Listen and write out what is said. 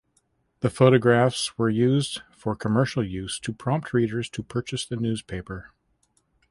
The photographs were used for commercial use to prompt readers to purchase the newspaper.